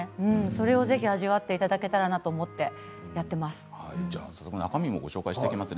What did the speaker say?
それをぜひ味わっていただけたらと思ってやっています。